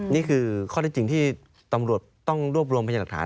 นี่คือข้อได้จริงที่ตำรวจต้องรวบรวมพยาหลักฐาน